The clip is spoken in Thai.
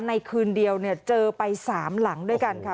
ในคืนเดียวเนี่ยเจอไปสามหลังด้วยกันค่ะ